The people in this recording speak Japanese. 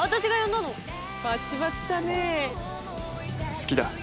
「好きだ」